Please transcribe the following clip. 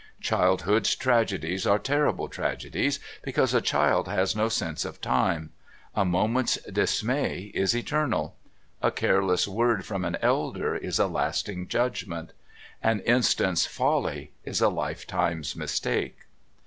Childhood's tragedies are terrible tragedies, because a child has no sense of time; a moment's dismay is eternal; a careless word from an elder is a lasting judgment; an instant's folly is a lifetime's mistake.